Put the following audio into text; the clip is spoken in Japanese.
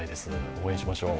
応援しましょう。